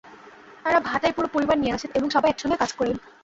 তাঁরা ভাটায় পুরো পরিবার নিয়ে আসেন এবং সবাই একসঙ্গে কাজ করেন।